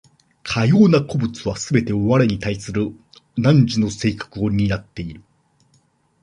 かような個物はすべて我に対する汝の性格を担っている。